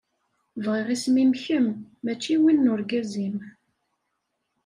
Bɣiɣ isem-im kemm mačči win n urgaz-im.